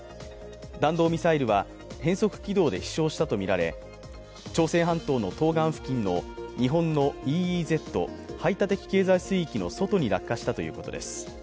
弾道ミサイルは変則軌道で飛翔したとみられ、朝鮮半島の東岸付近の日本のＥＥＺ＝排他的経済水域の落下したということです。